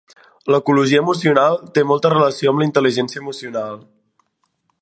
L'ecologia emocional té molta relació amb la Intel·ligència emocional.